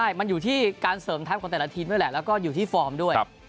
ใช่มันอยู่ที่การเสริมทัพของแต่ละทีมด้วยแหละแล้วก็อยู่ที่ฟอร์มด้วย